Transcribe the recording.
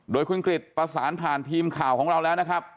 โดยคุณกริจประสานผ่านทีมข่าวของเราแล้วนะครับ